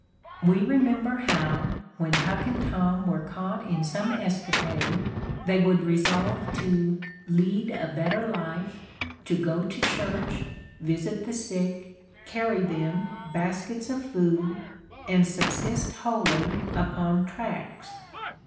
We remember how, when Huck and Tom were caught in some escapade, they would resolve to "lead a better life," to go to church, visit the sick, carry them baskets of food and subsist wholly upon tracts.